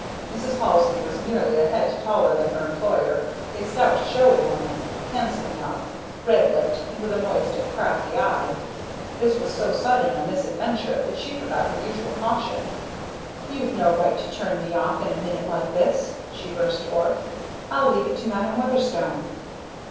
Mrs. Halsey was nearly a head taller than her employer, a stout showy woman, handsome enough, red lipped, and with a moist and crafty eye. This was so sudden a misadventure that she forgot her usual caution. "You've no right to turn me off in a minute like this!" she burst forth. "I'll leave it to Madam Weatherstone!"